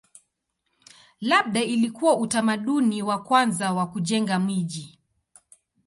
Labda ilikuwa utamaduni wa kwanza wa kujenga miji.